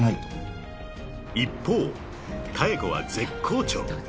［一方妙子は絶好調］